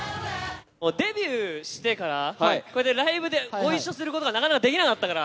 デビューしてからこうやってライブでご一緒することがなかなかできなかったから。